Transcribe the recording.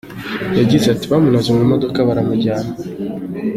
Yagize ati “Bamunaze mu modoka, baramujyana.